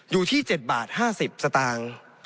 อยู่ที่๗บาท๕๐สตางค์